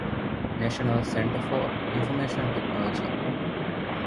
ނޭޝަނަލް ސެންޓަރ ފޮރ އިންފޮމޭޝަން ޓެކްނޯލޮޖީ